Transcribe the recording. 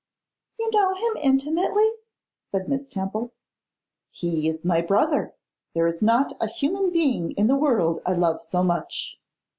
'You know him intimately?' said Miss Temple. 'He is my brother! There is not a human being in the world I love so much!